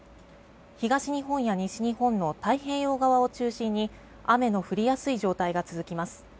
東日本や西日本の太平洋側を中心に雨の降りやすい状態が続きます。